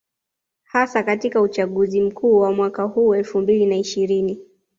Hasa katika uchaguzi mkuu wa mwaka huu elfu mbili na ishirini